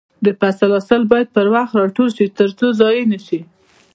د فصل حاصل باید پر وخت راټول شي ترڅو ضايع نشي.